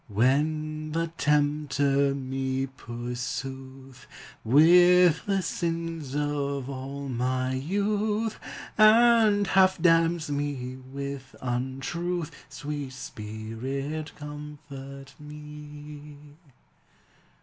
When the tempter me pursu'th With the sins of all my youth, And half damns me with untruth, Sweet Spirit, comfort me!